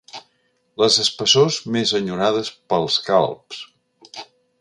Les espessors més enyorades pels calbs.